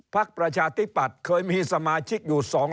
ประชาธิปัตย์เคยมีสมาชิกอยู่๒๐๐